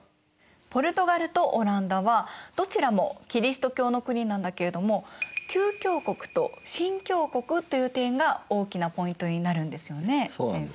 ポルトガルとオランダはどちらもキリスト教の国なんだけれども旧教国と新教国という点が大きなポイントになるんですよね先生。